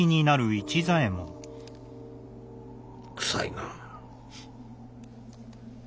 臭いな。